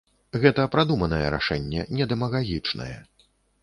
Гэта прадуманае рашэнне, не дэмагагічнае.